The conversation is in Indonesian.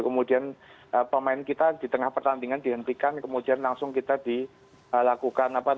kemudian pemain kita di tengah pertandingan dihentikan kemudian langsung kita dilakukan